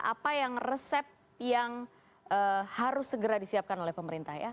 apa yang resep yang harus segera disiapkan oleh pemerintah ya